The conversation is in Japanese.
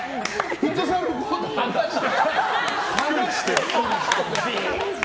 フットサルコートはがして。